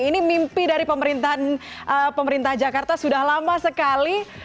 ini mimpi dari pemerintah jakarta sudah lama sekali